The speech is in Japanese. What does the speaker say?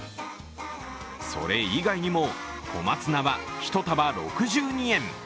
それ以外にも、小松菜は１束６２円。